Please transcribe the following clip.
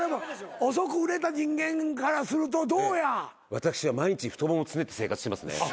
私は毎日太ももつねって生活してますね。